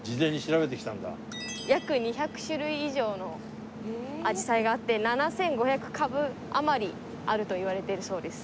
約２００種類以上の紫陽花があって７５００株あまりあるといわれているそうです。